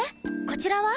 こちらは？